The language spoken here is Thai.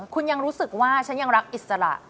คุณยังรู้สึกว่าฉันยังรักอิสระ